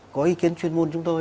có ý kiến chuyên môn chúng tôi